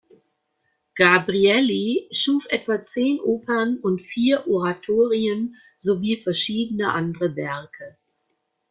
Gabrielli schuf etwa zehn Opern und vier Oratorien sowie verschiedene andere Werke.